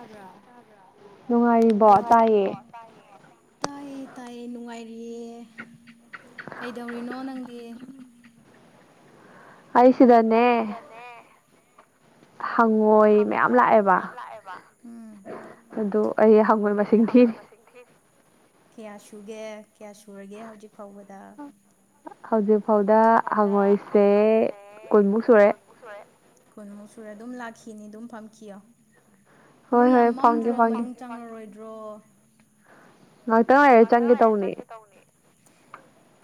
[inaudible] ꯅꯨꯡꯉꯥꯏꯔꯤꯕꯣ ꯇꯥꯏꯌꯦ ꯇꯥꯏꯌꯦ ꯇꯥꯏꯌꯦ ꯅꯨꯡꯉꯥꯏꯔꯤꯌꯦ ꯀꯩꯗꯧꯔꯤꯅꯣ ꯅꯪꯗꯤ ꯍꯥꯏꯁꯤꯗꯅꯦꯦ ꯍꯪꯉꯣꯏ ꯃꯌꯥꯝ ꯂꯥꯛꯑꯦꯕ ꯑꯗꯨ ꯑꯩ ꯍꯪꯉꯣꯢ ꯃꯁꯤꯡ ꯊꯤꯔꯤ ꯀꯌꯥ ꯁꯨꯒꯦ ꯀꯌꯥ ꯁꯨꯔꯒꯦ ꯍꯧꯖꯤꯛ ꯐꯥꯎꯕꯗ ꯍꯧꯖꯤꯛ ꯐꯥꯎꯗ ꯍꯪꯉꯣꯏꯁꯦ ꯀꯨꯟꯃꯨꯛ ꯁꯨꯔꯦ ꯀꯨꯟꯃꯨꯛ ꯁꯨꯔ ꯑꯗꯨꯝ ꯂꯥꯛꯈꯤꯅꯤ ꯑꯗꯨꯝ ꯐꯝꯈꯤꯌꯣ ꯑꯗꯨ ꯌꯥꯝ ꯃꯝꯗ꯭ꯔꯣ ꯃꯃꯤꯡ ꯆꯥꯉꯔꯣꯏꯗ꯭ꯔꯣ ꯉꯥꯏꯍꯥꯛꯇꯪ ꯉꯔ ꯆꯪꯒꯦ ꯇꯧꯅꯤ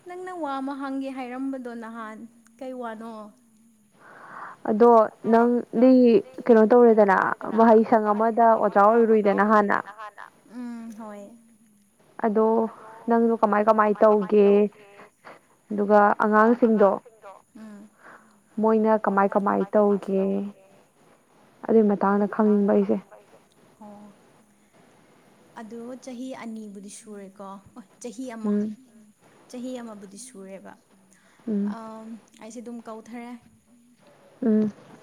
ꯅꯪꯅ ꯋꯥ ꯑꯃ ꯍꯥꯡꯒꯦ ꯍꯥꯏꯔꯝꯕꯗꯣ ꯅꯍꯥꯟ ꯀꯩ ꯋꯥꯅꯣ ꯑꯗꯣ ꯅꯪꯗꯤ ꯀꯩꯅꯣ ꯇꯧꯔꯦꯗꯅ ꯃꯍꯩꯁꯪ ꯑꯃꯗ ꯑꯣꯖꯥ ꯑꯣꯏꯔꯔꯨꯏꯗꯅ ꯍꯥꯏ ꯗ ꯍꯥꯟꯅ ꯎꯝ ꯍꯣꯏ ꯑꯣ ꯅꯪꯖꯨ ꯀꯃꯥꯏ ꯀꯃꯥꯏ ꯇꯧꯒꯦ ꯑꯗꯨꯒ ꯑꯉꯥꯡꯁꯤꯡꯗꯣ ꯎꯝ ꯃꯣꯏꯅ ꯀꯃꯥꯏ ꯀꯃꯥꯏ ꯇꯧꯒꯦ ꯑꯗꯨꯒꯤ ꯃꯇꯥꯡꯗ ꯈꯪꯅꯤꯡꯕ ꯑꯩꯁꯦ ꯑꯣ ꯑꯗꯨ ꯆꯍꯤ ꯑꯅꯤꯕꯨꯗꯤ ꯁꯨꯔꯦꯀꯣ ꯑꯣꯏ ꯆꯍꯤ ꯑꯃ ꯆꯍꯤ ꯑꯃꯕꯨꯗꯤ ꯁꯨꯔꯦꯕ ꯑꯝ ꯑꯩꯁꯦ ꯗꯨꯝ ꯀꯧꯊꯔꯦ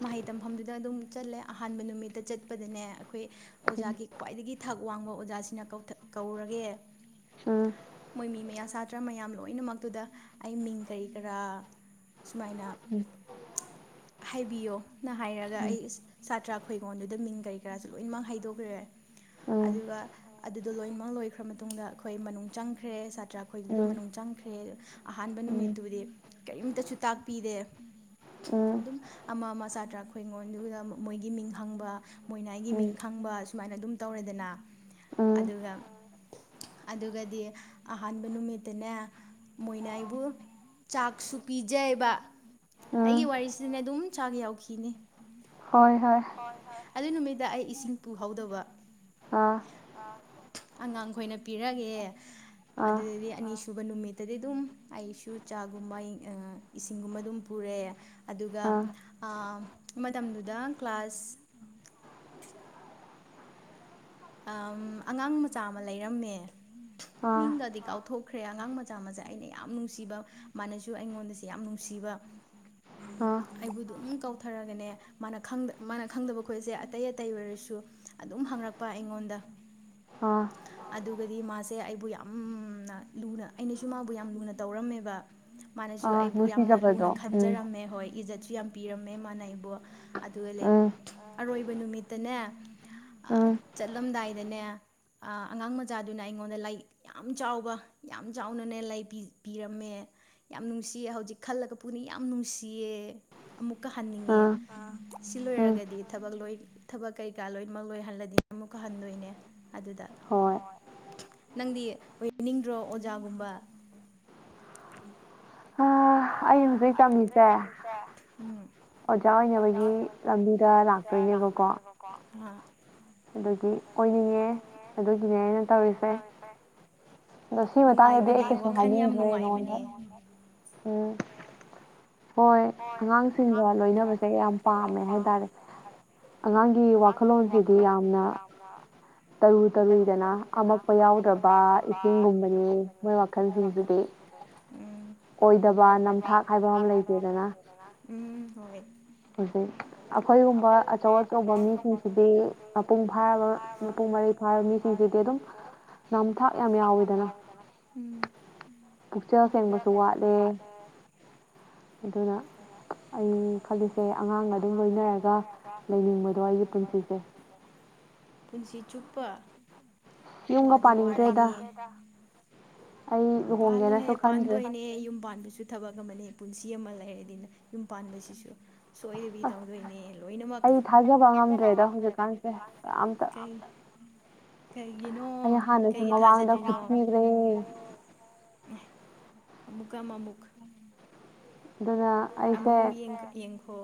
ꯃꯍꯩ ꯇꯝꯐꯝꯗꯨꯗ ꯑꯗꯨꯝ ꯆꯠꯂꯦ ꯑꯍꯥꯟꯕ ꯅꯨꯃꯤꯠꯇ ꯆꯠꯄꯗꯅꯦ ꯑꯈꯣꯏ ꯑꯣꯖꯥꯒꯤ ꯈ꯭ꯋꯥꯏꯗꯒꯤ ꯊꯛ ꯋꯥꯡꯕ ꯑꯣꯖꯥꯁꯤꯅ ꯀꯧꯊꯠ ꯀꯧꯔꯒꯦ ꯃꯣꯏꯃꯤ ꯃꯌꯥꯁꯥ ꯇ꯭ꯔ ꯃꯌꯥꯝ ꯂꯣꯏꯅꯃꯛꯇꯨꯗ ꯑꯩ ꯃꯤꯡ ꯀꯔꯤ ꯀꯔꯥ ꯁꯨꯃꯥꯏꯅ ꯍꯥꯏꯕꯤꯌꯣ ꯅ ꯍꯥꯏꯔꯒ ꯑꯩ ꯁ ꯁꯥꯠ ꯇ꯭ꯔꯥ ꯈꯣꯏꯉꯣꯟꯗꯨꯗ ꯃꯤꯡ ꯀꯔꯤ ꯀꯔꯥꯁꯨ ꯂꯣꯏꯅꯃꯛ ꯍꯥꯏꯗꯣꯛꯔꯦ ꯑꯗꯨꯒ ꯑꯗꯨꯗꯣ ꯂꯣꯏꯅꯃꯛ ꯂꯣꯏꯈ꯭ꯔ ꯃꯇꯨꯡꯗ ꯑꯩꯈꯣꯏ ꯃꯅꯨꯡ ꯆꯪꯈ꯭ꯔꯦ ꯁꯥꯠ ꯇ꯭ꯔ ꯈꯣꯏꯗꯨꯗ ꯃꯅꯨꯡ ꯆꯪꯈ꯭ꯔꯦ ꯑꯍꯥꯟꯕ ꯅꯨꯃꯤꯠꯇꯨꯗꯤ ꯀꯔꯤꯝꯇꯁꯨ ꯇꯥꯛꯄꯤꯗꯦ ꯑꯗꯨꯝ ꯑꯃ ꯑꯃ ꯁꯥꯇ꯭ꯔ ꯈꯣꯏꯉꯣꯟꯗꯨꯗ ꯃꯣꯏꯒꯤ ꯃꯤꯡ ꯍꯪꯕ ꯃꯣꯏꯅꯥ ꯑꯩꯒꯤ ꯃꯤꯡ ꯈꯪꯕ ꯁꯨꯃꯥꯏꯅ ꯑꯗꯨꯝ ꯇꯧꯔꯦꯗꯅ ꯑꯗꯨꯒ ꯑꯗꯨꯒꯗꯤ ꯑꯍꯥꯟꯕ ꯅꯨꯃꯤꯠꯇꯅꯦ ꯃꯣꯏꯅ ꯑꯩꯕꯨ ꯆꯥꯛꯁꯨ ꯄꯤꯖꯩꯕ ꯑꯩꯒꯤ ꯋꯥꯔꯤꯁꯤꯗꯅꯦ ꯑꯗꯨꯝ ꯆꯥꯛ ꯌꯥꯎꯈꯤꯅꯤ ꯍꯣꯏ ꯍꯣꯏ ꯑꯗꯨꯏ ꯅꯨꯃꯤꯠꯗ ꯑꯩ ꯏꯁꯤꯡ ꯄꯨꯍꯧꯗꯕ ꯑꯥ ꯑꯉꯥꯡ ꯈꯣꯏꯅ ꯄꯤꯔꯒꯦ ꯑꯗꯨꯗꯗꯤ ꯑꯅꯤꯁꯨꯕ ꯅꯨꯃꯤꯠ ꯗꯗꯤ ꯗꯨꯝ ꯑꯩꯁꯨ ꯆꯥꯒꯨꯝꯕ ꯏꯛ ꯑ ꯏꯁꯤꯡꯒꯨꯝꯕ ꯑꯗꯨꯝ ꯄꯨꯔꯦ ꯍ ꯑꯗꯨꯒ ꯑ ꯃꯇꯝꯗꯨꯗ ꯀ꯭ꯂꯥꯁ ꯑꯝ ꯑꯉꯥꯡ ꯃꯆꯥ ꯑꯃ ꯂꯩꯔꯝꯃꯦ ꯑ ꯗꯗꯤ ꯀꯥꯎꯊꯣꯛꯈ꯭ꯔꯦ ꯑꯉꯥꯡ ꯃꯆꯥ ꯃꯆꯥ ꯑꯩꯅ ꯌꯥꯝ ꯅꯨꯡꯁꯤꯕ ꯃꯥꯅꯁꯨ ꯑꯩꯉꯣꯟꯗꯁꯤ ꯌꯥꯝ ꯅꯨꯡꯁꯤꯕ ꯎꯝ ꯑꯩꯕꯨ ꯑꯗꯨꯝ ꯀꯧꯊꯔꯒꯅꯦ ꯃꯥꯅ ꯈꯪꯗꯕ ꯃꯥꯅ ꯈꯣꯏꯁꯦ ꯑꯇꯩ ꯑꯇꯩ ꯑꯣꯏꯔꯁꯨ ꯑꯗꯨꯝ ꯍꯪꯔꯛꯄ ꯑꯩꯉꯣꯟꯗ ꯑꯗꯨꯒꯗꯤ ꯃꯥꯁꯦ ꯁꯦ ꯑꯩꯕꯨ ꯌꯥꯝꯅ ꯂꯨꯅ ꯑꯩꯅꯁꯨ ꯁꯨ ꯃꯥꯕꯨ ꯌꯥꯝꯅ ꯂꯨꯅ ꯇꯧꯔꯝꯃꯦꯕ ꯃꯥꯅꯁꯨ ꯑꯩꯕꯨ ꯌꯥꯝꯅ ꯂꯨꯅ ꯈꯟꯖꯔꯝꯃꯦ ꯍꯣꯏ ꯏꯖꯠꯁꯨ ꯌꯥꯝ ꯄꯤꯔꯝꯃꯦ ꯃꯥꯅ ꯑꯩꯕꯨ ꯑꯗꯨꯒ ꯂꯦ ꯑꯔꯣꯏꯕ ꯅꯨꯃꯤꯠꯇꯅꯦ ꯑꯥ ꯆꯠꯂꯝꯗꯥꯏꯗꯅꯦ ꯑ ꯑꯉꯥꯡ ꯃꯆꯥꯗꯨꯅ ꯑꯩꯉꯣꯟꯗ ꯂꯩ ꯌꯥꯝ ꯆꯥꯎꯕ ꯌꯥꯝ ꯆꯥꯎꯅꯅꯦ ꯂꯩ ꯄꯤꯖ ꯄꯤꯔꯝꯃꯦ ꯌꯥꯝ ꯅꯨꯡꯁꯤꯌꯦ ꯍꯧꯖꯤꯛ ꯈꯜꯂꯒ ꯄꯨꯅꯤ ꯌꯥꯝ ꯅꯨꯡꯁꯤꯌꯦ ꯑꯃꯨꯛꯀ ꯍꯟꯅꯤꯡꯉꯦ ꯁꯤ ꯂꯣꯏꯔꯒꯗꯤ ꯊꯕꯛ ꯂꯣꯏ ꯊꯕꯛ ꯀꯩꯀꯥ ꯂꯣꯏꯅꯃꯛ ꯂꯣꯏꯍꯜꯂꯗꯤ ꯑꯃꯨꯛꯀ ꯍꯟꯗꯣꯏꯅꯦ ꯑꯗꯨꯗ ꯅꯪꯗꯤ ꯑꯣꯏꯅꯤꯡꯗ꯭ꯔꯣ ꯑꯣꯖꯥꯒꯨꯝꯕ ꯑꯥ ꯑꯩ ꯍꯧꯖꯤꯛ ꯇꯝꯃꯤꯁꯦ ꯑꯣꯖꯥ ꯑꯣꯏꯅꯕꯒꯤ ꯂꯝꯕꯤꯗ ꯂꯥꯛꯇꯣꯏꯅꯦꯕꯀꯣ ꯑꯥ ꯑꯗꯨꯒꯤ ꯑꯣꯏꯅꯤꯡꯉꯦ ꯑꯗꯨꯒꯤꯅꯦ ꯑꯩꯅ ꯇꯧꯔꯤꯁꯦ ꯑꯗꯣ ꯁꯤ ꯃꯇꯥꯡꯗꯗꯤ ꯑꯩ ꯀꯩꯁꯨ ꯍꯥꯏꯅꯤꯡꯗ꯭ꯔꯦ ꯅꯉꯣꯟꯗ ꯎꯝ ꯍꯣꯏ ꯑꯉꯥꯡꯁꯤꯡꯒ ꯂꯣꯏꯅꯕꯁꯦ ꯌꯥꯝ ꯄꯥꯝꯃꯦ ꯍꯥꯏꯇꯥꯔꯦ ꯑꯉꯥꯡꯒꯤ ꯋꯥꯈꯜꯂꯣꯟꯁꯤꯗꯤ ꯌꯥꯝꯅ ꯇꯔꯨ ꯇꯔꯨꯏꯗꯅ ꯑꯃꯛꯄ ꯌꯥꯎꯗ꯭ꯔꯕ ꯏꯁꯤꯡꯒꯨꯝꯕꯅꯤ ꯃꯣꯏ ꯋꯥꯈꯜꯁꯤꯡꯁꯤꯗꯤ ꯎꯝ ꯅꯝꯊꯥꯛ ꯍꯥꯏꯕ ꯑꯃ ꯂꯩ ꯕꯝ ꯂꯩꯇꯦꯗꯅ ꯎꯝ ꯎꯝ ꯍꯣꯏ ꯍꯧꯖꯤꯛ ꯑꯩꯈꯣꯏꯒꯨꯝꯕ ꯑꯆꯧ ꯑꯆꯧꯕ ꯃꯤꯁꯤꯡꯁꯤꯗꯤ ꯃꯄꯨꯡ ꯐꯥꯔꯕ ꯃꯄꯨꯡ ꯐꯥ ꯃꯤꯁꯤꯡꯁꯤꯗꯤ ꯑꯗꯨꯝ ꯅꯝꯊꯥꯛ ꯌꯥꯝ ꯌꯥꯎꯋꯤꯗꯅ ꯄꯨꯛꯆ ꯁꯦꯡꯕꯁꯨ ꯋꯥꯠꯂꯦ ꯑꯗꯨꯗ ꯑ ꯈꯜꯂꯤꯁꯦ ꯑꯉꯥꯡꯒ ꯑꯗꯨꯝ ꯂꯣꯏꯅꯔꯒ ꯂꯩꯅꯤꯡꯕꯗꯣ ꯑꯩꯒꯤ ꯄꯨꯟꯁꯤꯁꯦ ꯄꯨꯟꯁꯤ ꯆꯨꯞꯄ ꯋꯥꯗꯤ ꯋꯥꯔꯅꯤꯌꯦ ꯄꯥꯜꯂꯣꯍꯦ ꯄꯥꯟꯗꯅꯦ ꯌꯨꯝ ꯄꯥꯟꯗꯁꯨ ꯊꯕꯛ ꯑꯃꯅꯦ ꯄꯨꯟꯁꯤ ꯑꯃ ꯂꯩꯔ ꯑꯗꯨꯅ ꯌꯨꯝ ꯄꯥꯟꯕꯁꯤꯁꯨ ꯁꯣꯏꯗꯕꯤ ꯇꯧꯗꯣꯏꯅꯦ ꯂꯣꯏꯅꯃꯛ ꯊꯥꯖꯕ ꯉꯝꯗ꯭ꯔꯦꯗ ꯍꯧꯖꯤꯛꯀꯥꯟꯁꯦ ꯑꯩ ꯍꯥꯟꯅꯁꯨ ꯃꯃꯥꯡꯗ ꯈꯨꯠꯊꯈ꯭ꯔꯦ ꯑꯃꯨꯀ ꯑꯃ ꯑꯃꯃꯨꯛ ꯑꯃꯃꯨꯛ ꯌꯦꯡ ꯌꯦꯡꯈꯣ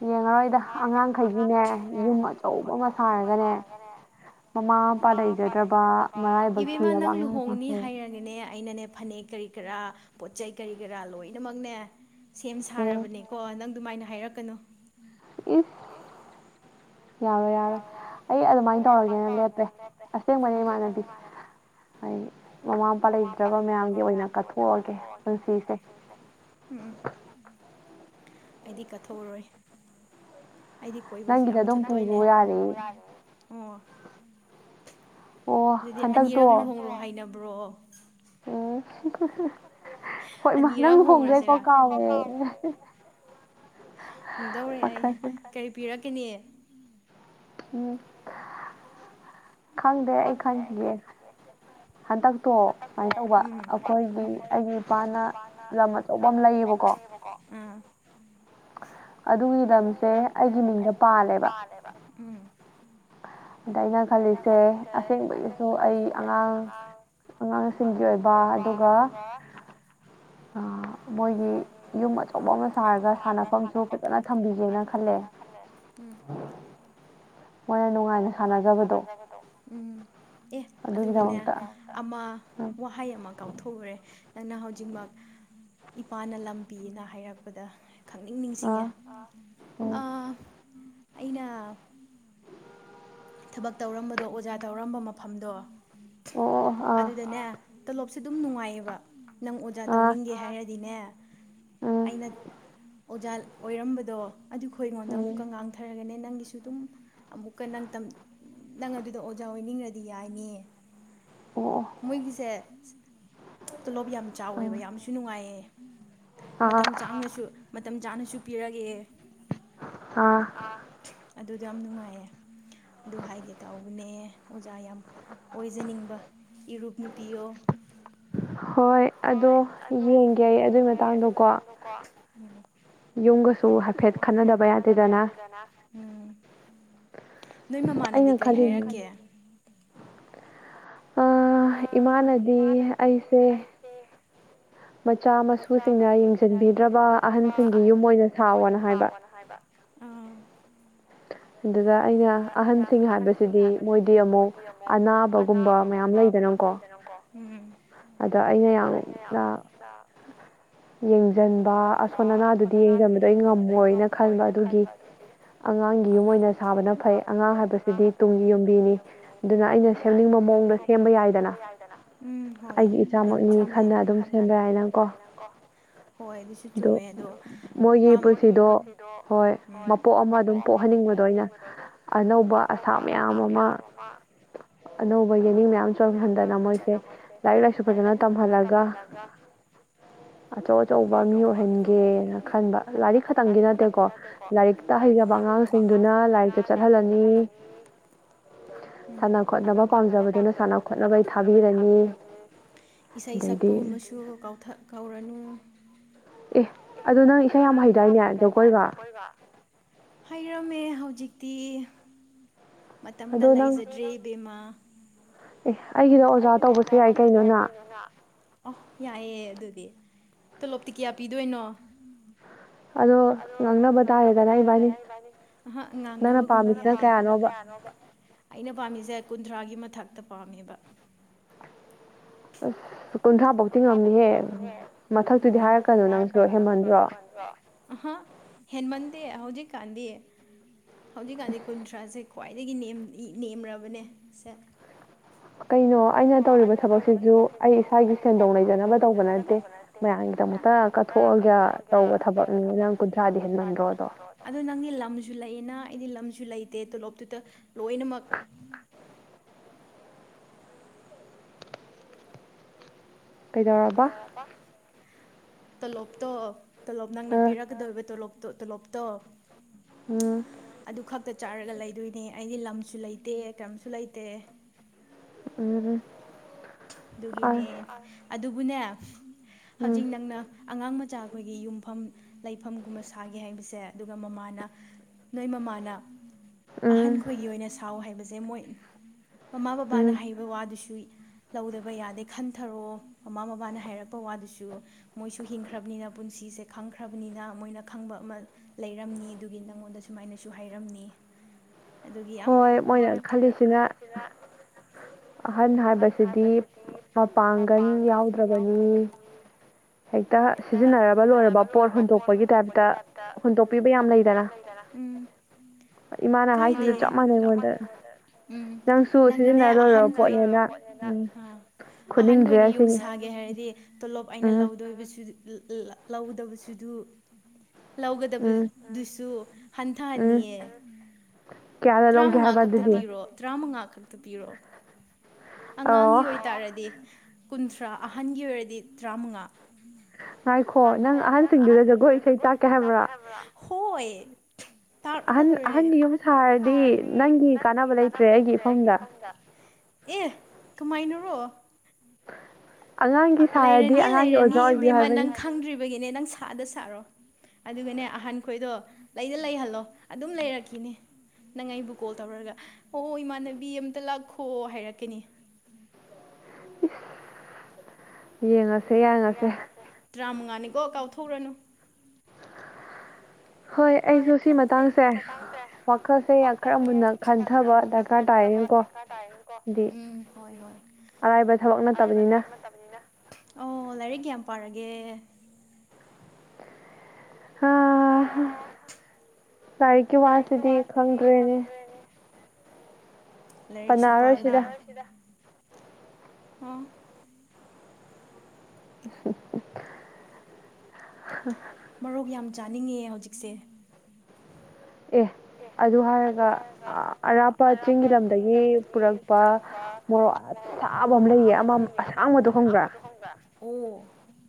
ꯌꯦꯡꯉꯔꯣꯏꯗ ꯑꯉꯥꯡꯈꯩꯁꯤꯅꯦ ꯌꯨꯝ ꯑꯆꯧꯕ ꯑꯃ ꯁꯥꯔꯒꯅꯦ ꯃꯃꯥꯄꯥ ꯏꯕꯦꯝꯃ ꯅꯪ ꯂꯨꯍꯣꯡꯅꯤ ꯍꯥꯏꯔꯒꯦꯅꯦ ꯑꯩꯅꯅꯦ ꯐꯅꯦꯛ ꯀꯔꯤ ꯀꯔꯥ ꯄꯣꯠ ꯆꯩ ꯀꯔꯤ ꯀꯔꯥ ꯂꯣꯏꯅꯃꯛꯅꯦ ꯁꯦꯝ ꯁꯥꯔꯕꯅꯦꯀꯣ ꯅꯪ ꯑꯗꯨꯃꯥꯏꯅ ꯍꯥꯏꯔꯛꯀꯅꯨ ꯏ ꯌꯥꯔꯣꯏ ꯌꯥꯔꯣꯏ ꯑꯩ ꯑꯗꯨꯃꯥꯏꯅ ꯇꯧꯔꯒꯦꯅ ꯂꯦꯞꯄꯦ ꯑꯁꯦꯡꯕꯅꯦ ꯏꯃꯥꯟꯅꯕꯤ ꯑꯩ ꯃꯃꯥ ꯃꯄꯥ ꯂꯩꯖ꯭ꯔꯕ ꯃꯌꯥꯝꯒꯤ ꯑꯣꯏꯅ ꯀꯠꯊꯣꯛꯑꯒꯦ ꯄꯨꯟꯁꯤꯁꯦ ꯎꯝ ꯑꯩꯗꯤ ꯀꯠꯊꯣꯛꯔꯣꯏ ꯑꯩꯗꯤ ꯀꯣꯏꯕꯁꯤ ꯌꯥꯝ ꯆꯠꯇꯣꯏꯅꯦ ꯑꯗꯨꯗꯤ ꯑꯅꯤꯔꯛ ꯂꯨꯍꯣꯡꯂꯣ ꯍꯥꯏꯅꯕ꯭ꯔꯣ ꯑꯣ ꯍꯣꯏ ꯏꯃꯥ ꯅꯪ ꯂꯨ ꯍꯣꯡꯗꯦꯀꯣ ꯀꯥꯎꯋꯦ ꯍꯣꯡꯗꯧꯔꯦ ꯑꯩ ꯀꯔꯤ ꯄꯤꯔꯛꯀꯅꯤ ꯎꯝ ꯈꯗꯦ ꯈꯪꯦ ꯍꯟꯗꯛꯇꯣ ꯁꯨꯃꯥꯏꯅ ꯇꯧꯕ ꯑꯩꯈꯣꯏꯒꯤ ꯑꯩꯒꯤ ꯏꯄꯥꯅ ꯂꯝ ꯑꯆꯧꯕ ꯑꯃ ꯂꯩꯌꯦꯕꯀꯣ ꯣ ꯎꯝ ꯑꯗꯨꯒꯤ ꯂꯝꯁꯦ ꯑꯩꯒꯤ ꯃꯤꯡꯗ ꯄꯥꯜꯂꯦꯕ ꯎꯝ ꯑꯗ ꯑꯩꯅ ꯈꯜꯂꯤꯁꯦ ꯑꯁꯦꯡꯕꯒꯤꯁꯨ ꯑꯩ ꯑꯉꯥꯡ ꯑꯉꯥꯡꯁꯤꯡꯒꯤ ꯑꯣꯏꯕ ꯑꯗꯨꯒ ꯑ ꯃꯣꯏꯒꯤ ꯌꯨꯝ ꯑꯆꯧꯕ ꯑꯃ ꯁꯥꯔꯒ ꯁꯥꯟꯅꯐꯝꯁꯨ ꯐꯖꯅ ꯊꯝꯕꯤꯒꯦꯅ ꯈꯜꯂ ꯅꯥ ꯈꯜꯗꯦ ꯎ ꯃꯣꯏꯅ ꯅꯨꯡꯉꯥꯏꯅ ꯁꯥꯟꯅꯖꯕꯗꯣ ꯎꯝ ꯑꯦ ꯑꯗꯨꯒꯅꯦ ꯑꯃ ꯋꯥꯍꯩ ꯑꯃ ꯀꯥꯎꯊꯣꯛꯎꯈꯨꯔꯦ ꯅꯪꯅ ꯍꯧꯖꯤꯛꯃꯛ ꯏꯄꯥꯅ ꯂꯝ ꯄꯤꯅ ꯍꯥꯏꯔꯛꯄꯗ ꯈꯪꯅꯤꯡ ꯅꯤꯡꯁꯤꯡꯉꯦ ꯑꯩꯅ ꯊꯕꯛ ꯇꯧꯔꯝꯕꯗꯣ ꯑꯣꯖꯥ ꯇꯧꯔꯝꯕ ꯃꯐꯝꯗꯣ ꯑꯣ ꯑꯗꯨꯗꯅꯦ ꯇꯣꯂꯣꯞꯁꯦ ꯑꯗꯨꯝ ꯅꯨꯡꯉꯥꯏꯌꯦꯕ ꯅꯪ ꯑꯣꯖꯥ ꯇꯧꯅꯤꯡꯒꯦ ꯍꯥꯏꯔꯗꯤꯅꯦ ꯑꯩꯅ ꯑꯣꯖꯥ ꯑꯣꯏꯔꯝꯕꯗꯣ ꯑꯗꯨꯈꯣꯏ ꯑꯩꯉꯣꯟꯗ ꯑꯃꯨꯛꯀꯒꯊꯔꯒꯅꯦ ꯅꯪꯒꯤꯁꯨ ꯁꯨ ꯑꯗꯨꯝ ꯑꯃꯨꯛꯀ ꯅ ꯅꯪ ꯑꯗꯨꯗ ꯑꯣꯖꯥ ꯑꯣꯏꯅꯤꯡꯉꯗꯤ ꯌꯥꯏꯅꯤ ꯃꯣꯏꯒꯤꯁꯦ ꯇꯣꯂꯣꯞ ꯌꯥꯝꯅ ꯆꯥꯎꯋꯦꯕ ꯌꯥꯝꯁꯨ ꯅꯨꯡꯉꯥꯏꯌꯦ ꯃꯇꯝ ꯆꯥꯅꯁꯨ ꯃꯇꯝ ꯆꯥꯅꯁꯨ ꯄꯤꯔꯒꯦ ꯑꯗꯨꯗꯤ ꯌꯥꯝ ꯅꯨꯡꯉꯥꯏꯌꯦ ꯑꯗꯨ ꯍꯥꯏꯒꯦ ꯇꯧꯕꯅꯦ ꯑꯣꯖꯥ ꯌꯥꯝ ꯑꯣꯏꯖꯅꯤꯡꯕ ꯏꯔꯨꯞ ꯅꯨꯄꯤꯌꯣ ꯍꯣꯏ ꯑꯗꯣ ꯌꯦꯡꯒꯦ ꯑꯩ ꯑꯗꯨꯒꯤ ꯃꯇꯥꯡꯗꯣꯀꯣ ꯌꯨꯝꯒꯁꯨ ꯍꯥꯏꯐꯦꯠ ꯈꯠꯅꯗꯕ ꯌꯥꯗꯦꯗꯅ ꯅꯣꯏ ꯃꯃꯥꯟꯅꯗꯤ ꯀꯩ ꯍꯥꯏꯔꯛꯀꯦ ꯏꯃꯥꯅꯗꯤ ꯑꯩꯁꯦ ꯃꯆꯥ ꯃꯁꯨꯁꯤꯡꯅ ꯌꯦꯡꯁꯤꯟꯕꯤꯗ꯭ꯔꯕ ꯑꯍꯟꯁꯤꯡꯒꯤ ꯌꯨꯝ ꯑꯣꯏꯅ ꯁꯥꯎꯋꯅ ꯍꯥꯏꯕ ꯑꯗꯨꯗ ꯑꯩꯅ ꯑꯍꯟꯁꯤꯡ ꯍꯥꯏꯕꯁꯤꯗꯤ ꯃꯣꯏꯗꯤ ꯑꯃꯨꯛ ꯑꯅꯥꯕꯒꯨꯝꯕ ꯃꯌꯥꯝ ꯂꯩ ꯃꯌꯥꯝꯂꯗꯅꯀꯣ ꯑꯗ ꯑꯩꯅ ꯌꯥꯝꯅ ꯌꯦꯡꯖꯩ ꯌꯦꯤꯡꯖꯟꯕ ꯑꯁꯣꯟ ꯑꯅꯥꯗꯨꯗꯤ ꯌꯦꯡꯁꯤꯟꯕꯗꯣ ꯑꯩ ꯉꯝꯃꯣꯏꯅ ꯈꯟꯕ ꯑꯗꯨꯒꯤ ꯑꯉꯥꯡ ꯌꯨꯝ ꯑꯣꯏꯅ ꯁꯥꯕꯅ ꯐꯩ ꯑꯉꯥꯡ ꯍꯥꯏꯕꯁꯤꯗꯤ ꯇꯨꯡꯒꯤ ꯌꯨꯝꯕꯤꯅꯤ ꯑꯗꯨꯅ ꯑꯩꯅ ꯁꯦꯝꯅꯤꯡꯕ ꯃꯑꯣꯡꯗ ꯁꯦꯝ ꯁꯦꯝꯕ ꯌꯥꯏꯗꯅ ꯎꯝ ꯍꯣꯏꯃꯦ ꯈ ꯑꯗꯨꯝ ꯁꯦꯝꯕ ꯌꯥꯏꯅ ꯀꯣ ꯍꯣꯏ ꯑꯗꯨꯁꯨ ꯆꯨꯝꯃꯦ ꯑꯗꯣ ꯃꯃꯥ ꯃꯣꯏꯒꯤ ꯄꯨꯟꯁꯤꯗꯣ ꯃꯣꯏ ꯑꯃ ꯑꯗꯨꯝ ꯄꯣꯛꯍꯟꯅꯤꯡꯕꯗꯣ ꯑꯣꯏꯅ ꯑꯅꯧꯕ ꯑꯁꯥ ꯃꯌꯥꯝ ꯑꯃ ꯑꯅꯧꯕ ꯌꯦꯅꯤꯡ ꯃꯌꯥꯝ ꯆꯪꯍꯟꯗꯅ ꯃꯣꯏꯁꯦ ꯂꯥꯏꯔꯤꯛ ꯂꯥꯏꯁꯨ ꯐꯖꯅ ꯇꯝꯍꯜꯂꯒ ꯑꯆꯥ ꯑꯆꯧꯕ ꯃꯤ ꯑꯣꯏꯍꯟꯒꯦꯅ ꯈꯟꯕ ꯂꯥꯏꯔꯤꯛ ꯈꯛꯇꯪꯗꯤ ꯅꯠꯇꯦꯀꯣ ꯂꯥꯏꯔꯤꯛꯇ ꯍꯩꯖꯕ ꯍꯩꯖꯕ ꯑꯉꯥꯡꯁꯤꯡꯗꯨꯅ ꯂꯥꯏꯔꯤꯛꯇ ꯆꯠꯍꯜꯂꯅꯤ ꯎꯝ ꯁꯥꯟꯅ ꯈꯣꯠꯅꯕ ꯄꯥꯝꯖꯕꯗꯨꯅ ꯁꯥꯟꯅ ꯈꯣꯠꯅꯕꯩ ꯊꯥꯕꯤꯔꯅꯤ ꯏꯁꯩ ꯁꯛꯄꯒꯨꯝꯕꯁꯨ ꯁꯨ ꯀꯧꯊꯛ ꯀꯧꯔꯅꯨ ꯑꯦ ꯑꯗꯨꯗ ꯅꯪ ꯏꯁꯩ ꯌꯥꯝ ꯍꯩꯗꯥꯏꯅꯦ ꯖꯒꯣꯏꯒ ꯍꯩꯔꯝꯃꯦ ꯍꯧꯖꯤꯛꯇꯤ ꯃꯇꯝꯒ ꯂꯩꯖꯗ꯭ꯔꯦ ꯏꯕꯦꯝꯃ ꯑꯦ ꯑꯩꯒꯤꯗ ꯑꯣꯖꯥ ꯇꯧꯕꯁꯨ ꯌꯥꯏ ꯀꯩꯅꯣꯅ ꯑꯣ ꯌꯥꯏꯌꯦ ꯑꯗꯨꯗꯤ ꯇꯣꯂꯣꯞꯇꯤ ꯀꯌꯥ ꯄꯤꯗꯣꯏꯅꯣ ꯑꯗꯣ ꯉꯥꯡꯅꯕ ꯇꯥꯏꯔꯗꯅꯤ ꯉꯥꯡꯅꯕꯒꯨꯝ ꯑꯩꯅ ꯄꯥꯝꯃꯤꯁꯦ ꯀꯨꯟꯊ꯭ꯔꯥꯒꯤ ꯃꯊꯛꯇ ꯄꯥꯝꯃꯦꯕ ꯑꯁ ꯀꯨꯟꯊ꯭ꯔꯥ ꯐꯧꯇꯤ ꯉꯝꯅꯤꯍꯦ ꯃꯊꯛꯇꯨꯗꯤ ꯍꯥꯏꯔꯛꯀꯅꯨ ꯅꯪꯁꯨ ꯍꯦꯃꯟꯗ꯭ꯔꯣ ꯑꯍ ꯍꯦꯟꯃꯟꯗꯦ ꯍꯧꯖꯤꯛꯀꯥꯟꯗꯤ ꯍꯧꯖꯤꯛꯀꯥꯟꯗꯤ ꯀꯨꯟꯊ꯭ꯔꯥꯁꯦ ꯈ꯭ꯋꯥꯏꯗꯒꯤ ꯅꯦꯝꯔꯕꯅꯦ ꯁꯦ ꯀꯩꯅꯣ ꯑꯩꯅ ꯇꯧꯔꯤꯕ ꯊꯕꯛꯁꯤꯁꯨ ꯑꯩ ꯏꯁꯥꯒꯤ ꯁꯦꯟꯗꯣꯡ ꯂꯩꯖꯅꯕ ꯇꯧꯕ ꯅꯠꯇꯦ ꯃꯌꯥꯝꯒꯤꯗꯃꯛꯛꯇ ꯒꯤꯗ ꯀꯊꯣꯛꯑꯒ ꯇꯧꯕ ꯊꯕꯛꯅꯤ ꯀꯨꯟꯊ꯭ꯔ ꯅꯪꯒꯤ ꯂꯝꯁꯨ ꯂꯩ ꯅ ꯑꯩꯗꯤ ꯂꯝꯁꯨ ꯂꯩꯇꯦ ꯇꯣꯂꯣꯞꯇꯨꯗ ꯂꯣꯏꯅꯃꯛ ꯀꯩꯗꯧꯔꯕ ꯇꯣꯂꯣꯞꯇꯣ ꯇꯣꯂꯣꯞ ꯅꯪꯅ ꯄꯤꯔꯛꯀꯗꯧꯕ ꯇꯣꯂꯣꯞꯇ ꯇꯣꯂꯣꯞꯇꯣ ꯎꯝ ꯇꯛꯇ ꯆꯥꯔꯒ ꯂꯩꯗꯣꯏꯅꯦ ꯑꯩꯗꯤ ꯂꯝꯁꯨ ꯂꯩꯇꯦ ꯀꯔꯤꯝꯁꯨ ꯂꯩꯇꯦ ꯎꯝ ꯑꯗꯨꯒꯤꯅꯦ ꯑꯗꯨꯕꯨꯅꯦ ꯍꯧꯖꯤꯛ ꯅꯪꯅ ꯑꯉꯥꯡ ꯃꯆꯥ ꯑꯩꯈꯣꯏꯒꯤ ꯌꯨꯝꯐꯝ ꯂꯩꯐꯝꯒꯨꯝꯕ ꯁꯥꯒꯦ ꯍꯥꯏꯕꯁꯦ ꯑꯗꯨꯒ ꯃꯃꯥꯅ ꯅꯣꯏ ꯃꯃꯥꯅ ꯑꯍꯟ ꯈꯣꯏꯒꯤ ꯑꯣꯏꯅ ꯁꯥꯎ ꯍꯥꯏꯕꯁꯦ ꯃꯣꯏ ꯃꯃꯥ ꯕꯕꯥꯅ ꯍꯩꯕ ꯋꯥꯗꯨꯁꯨ ꯂꯧꯗꯕ ꯌꯥꯗꯦ ꯈꯟꯊꯔꯛꯑꯣ ꯃꯃꯥ ꯃꯄꯥꯅ ꯍꯥꯏꯔꯛꯄ ꯋꯥꯗꯨꯁꯨ ꯃꯣꯏꯁꯨ ꯍꯤꯡꯈ꯭ꯔꯕꯅꯤꯅ ꯄꯨꯟꯁꯤ ꯁꯤꯁꯦ ꯈꯪꯈ꯭ꯔꯕꯅꯤꯅ ꯃꯣꯏꯅ ꯈꯪꯕ ꯑꯃ ꯂꯩꯔꯝꯅꯤ ꯑꯗꯨꯒꯤ ꯅꯪꯉꯣꯟꯗ ꯁꯨꯃꯥꯏꯅꯁꯨ ꯍꯥꯏꯔꯝꯅꯤ [inaudible] ꯍꯣꯏ ꯃꯣꯏꯅ ꯈꯜꯂꯤꯁꯤꯅ ꯑꯍꯟ ꯍꯥꯏꯕꯁꯤꯗꯤ ꯃꯄꯥꯡꯒꯜ ꯌꯥꯎꯗ꯭ꯔꯕꯅꯤ ꯍꯦꯛꯇ ꯁꯤꯖꯤꯟꯅꯔꯕ ꯂꯣꯏꯔꯕ ꯄꯣꯠ ꯍꯨꯟꯇꯣꯛꯄꯒꯤ ꯇꯥꯏꯞꯇ ꯍꯨꯟꯇꯣꯛꯄꯤꯕ ꯌꯥꯝ ꯂꯩꯗꯅ ꯎꯝ ꯏꯃꯅ ꯍꯥꯏꯁꯤꯁꯨ ꯆꯞ ꯃꯥꯟꯅꯩ ꯑꯩꯉꯣꯟꯗ ꯎꯝ ꯅꯪꯅꯅꯦ ꯑꯍꯟ ꯈꯏꯕ ꯄꯣꯠꯅꯦꯅ ꯑ ꯑꯍꯟꯈꯣꯏꯒꯤ ꯌꯨꯝ ꯁꯥꯒꯦ ꯍꯥꯏꯔꯗꯤ ꯇꯣꯂꯣꯞ ꯑꯩꯅ ꯂꯧꯗꯣꯏꯕꯁꯨ ꯂꯧꯗꯕꯕꯁꯤꯗꯨ ꯂꯧꯒꯗꯕꯗꯨꯁꯨ ꯍꯟꯊꯍꯟꯅꯤꯡꯌꯦ ꯇꯔꯥꯃꯉꯥ ꯈꯛꯇ ꯄꯤꯔꯣ ꯇꯔꯥꯃꯉꯥ ꯈꯛꯇ ꯄꯤꯔꯣ ꯑꯉꯥꯡꯒꯤ ꯑꯣꯏꯇꯥꯔꯗꯤ ꯀꯨꯟꯊ꯭ꯔꯥ ꯑꯍꯟꯒꯤ ꯑꯣꯏꯔꯗꯤ ꯇꯔꯥꯃꯉꯥ ꯍꯥꯏꯈꯣ ꯅꯪ ꯑꯍꯟꯁꯤꯡꯗꯨꯗ ꯖꯒꯣꯏ ꯏꯁꯩ ꯇꯥꯛꯀꯦ ꯍꯥꯏꯕ꯭ꯔꯥ ꯍꯣꯏ ꯑꯍꯟ ꯌꯨꯝ ꯁꯥꯔꯗꯤ ꯅꯪꯒꯤ ꯀꯥꯟꯅꯕ ꯂꯩꯇ꯭ꯔꯦ ꯑꯩꯒꯤ ꯏꯨꯡꯗ ꯑꯦ ꯀꯃꯥꯏꯅꯔꯣ ꯑꯉꯥꯡꯒꯤ ꯁꯥꯔꯗꯤ ꯑꯉꯥꯡꯒꯤ ꯑꯣꯖꯥ ꯑꯣꯏꯕꯤꯌꯨ ꯍꯥꯏꯕꯅꯤ ꯍꯪꯗ꯭ꯔꯤꯕꯒꯤꯅꯦ ꯅꯪ ꯁꯥꯗ ꯁꯥꯔꯣ ꯑꯗꯨꯒꯅꯦ ꯑꯍꯟ ꯈꯣꯏꯗꯣ ꯂꯩꯗ ꯂꯩꯍꯜꯂꯣ ꯑꯗꯨꯝ ꯂꯩꯔꯛꯈꯤꯅꯦ ꯅꯪ ꯑꯩꯕꯨ ꯀꯣꯜ ꯇꯧꯔꯒ ꯑꯣ ꯏꯃꯥꯟꯅꯕꯤ ꯑꯃꯝꯇ ꯂꯥꯛꯈꯣ ꯍꯥꯏꯔꯛꯀꯅꯤ ꯌꯦꯡꯉꯁꯦ ꯌꯥꯡꯉꯁꯦ ꯇꯔꯥꯃꯉꯥꯅꯤꯀꯣ ꯀꯥꯎꯊꯣꯛꯔꯅꯨ ꯍꯣꯏ ꯑꯩꯁꯨ ꯁꯤ ꯃꯇꯥꯡꯁꯦ ꯋꯥꯈꯜꯁꯦ ꯌꯥꯝ ꯈꯔ ꯃꯨꯟꯅ ꯈꯟꯊꯕ ꯗꯔꯀꯥꯔ ꯇꯥꯔꯅꯦꯀꯣ ꯍꯥꯏꯗꯤ ꯑꯔꯥꯏꯕ ꯊꯕꯛ ꯅꯠꯇꯕꯅꯤꯅ ꯑꯣ ꯂꯥꯏꯔꯤꯛ ꯀ꯭ ꯄꯥꯔꯒꯦ ꯑ ꯂꯥꯏꯔꯤꯛꯀꯤ ꯋꯥꯁꯤꯗꯤ ꯈꯪꯗ꯭ꯔꯦꯅꯦ ꯂꯩꯥꯏꯛꯁꯨ ꯄꯥꯔꯗ ꯑ ꯆꯥꯅꯤꯡꯉꯦ ꯍꯧꯖꯤꯛꯁꯦ ꯑꯦ ꯑꯗꯨ ꯍꯥꯏꯔꯒ ꯑꯔꯥꯞꯄ ꯆꯤꯡꯒꯤ ꯂꯝꯗꯒꯤ ꯄꯨꯔꯛꯄ ꯃꯣꯔꯣꯛ ꯑꯁ ꯁꯥꯕ ꯑꯃ ꯂꯩꯌꯦ ꯑꯃ ꯑꯁꯥꯡꯕꯗꯨ ꯈꯪꯕ꯭ꯔ ꯎ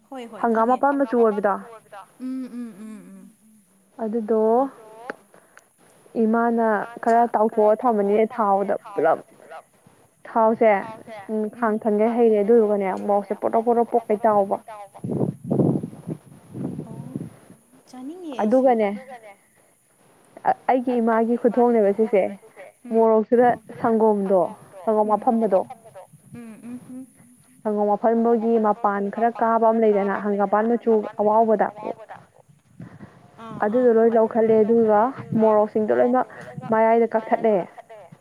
ꯍꯣꯏ ꯍꯣꯏ ꯈꯪꯉꯦ ꯍꯪꯒꯥꯝ ꯃꯄꯥꯟ ꯃꯆꯨ ꯑꯣꯢꯕꯗꯣ ꯎꯝ ꯎꯝ ꯎꯝ ꯎꯝ ꯑꯗꯨꯗꯣ ꯏꯃꯥꯅ ꯈꯔ ꯇꯥꯎꯊꯣꯛꯑ ꯊꯝꯃꯅꯤ ꯊꯥꯎꯗ ꯄꯨꯂꯞ ꯊꯥꯎꯁꯦ ꯎꯝ ꯈꯥꯡ ꯊꯟꯒꯩ ꯍꯩꯔꯦ ꯑꯗꯨꯏꯗꯨꯒꯅꯦ ꯃꯣꯔꯣꯛꯁꯦ ꯄꯣꯔꯣꯛ ꯄꯣꯔꯣꯛ ꯄꯣꯛꯀꯩ ꯇꯥꯎꯕ [inaudible] ꯑꯣ ꯆꯥꯅꯤꯡꯉꯦ ꯑꯩꯁꯨ ꯑꯗꯨꯒꯅꯦ ꯑꯩꯒꯤ ꯏꯃꯥꯒꯤ ꯈꯨꯊꯣꯡꯅꯦꯕ ꯁꯤꯁꯦ ꯃꯣꯔꯣꯛꯁꯤꯗ ꯁꯪꯒꯣꯝꯗꯣ ꯁꯪꯒꯣꯝ ꯑꯐꯝ ꯑꯐꯝꯕꯗꯣ ꯎꯝ ꯎꯝ ꯁꯪꯒꯣꯝ ꯑꯐꯝꯕꯒꯤ ꯃꯄꯥꯟ ꯈꯔ ꯀꯥꯕ ꯑꯃ ꯂꯩꯗꯅ ꯍꯪꯒꯥꯝꯄꯥꯟ ꯃꯆꯨ ꯑꯋꯥꯥꯎꯕꯗ [inaudible] ꯑꯗꯨꯗꯣ ꯂꯣꯏ ꯂꯧꯈꯠꯂꯦ ꯑꯗꯨꯒ ꯑꯗꯨꯒ ꯃꯣꯔꯣꯛꯁꯤꯡꯗꯣ ꯂꯣꯏꯅꯃꯛ ꯃꯌꯥꯏꯗ ꯀꯛꯊꯠꯂꯦ